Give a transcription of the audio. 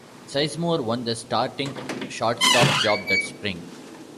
Sizemore won the starting shortstop job that Spring.